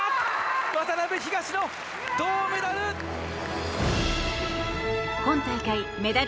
渡辺、東野銅メダル！